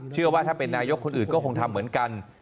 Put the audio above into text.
เชื่อว่าถ้าเป็นนายกคนอื่นก็คงทำเหมือนกัน